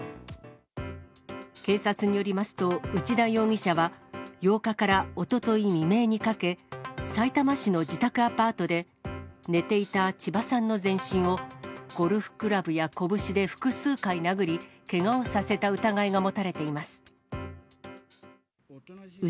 警察によりますと、内田容疑者は８日からおととい未明にかけ、さいたま市の自宅アパートで、寝ていた千葉さんの全身を、ゴルフクラブや拳で複数回殴り、けがをさせた疑いが持たれています。